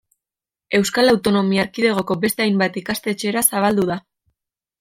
Euskal Autonomia Erkidegoko beste hainbat ikastetxera zabaldu da.